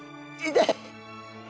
痛い！